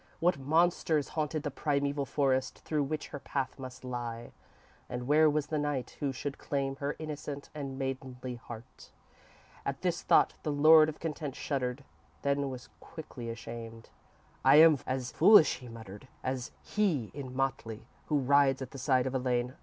What monsters haunted the primeval forests through which her path must lie? And where was the knight who should claim her innocent and maidenly heart? At this thought, the Lord of Content shuddered, then was quickly ashamed._ _"I am as foolish," he muttered, "as he in motley, who rides at the side of Elaine.